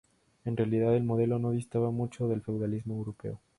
En realidad el modelo no distaba mucho del feudalismo europeo.